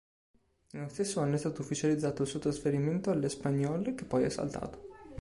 Nello stesso anno è stato ufficializzato il suo trasferimento all'Espanyol che poi è saltato.